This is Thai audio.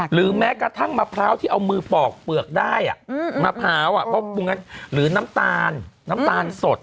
หรือแม้กระทั่งมะพร้าวที่เอามือปอกเปลือกได้มะพร้าวเพราะปรุงหรือน้ำตาลน้ำตาลสด